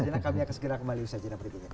jelaskan kami akan segera kembali